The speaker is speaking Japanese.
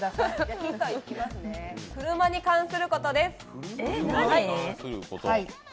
車に関することです。